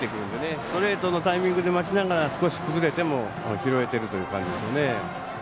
ストレートのタイミングで待ちながら少し崩れても拾えてるという感じですよね。